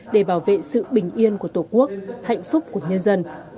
để bảo vệ sự bình yên của tổ quốc hạnh phúc của nhân dân